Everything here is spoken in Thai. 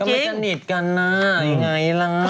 ก็ไม่จะนิดกันนะยังไงล่ะ